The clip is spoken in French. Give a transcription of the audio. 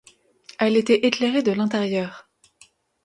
Elle était éclairée de l'intérieur.